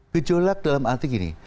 gejolak dalam arti gini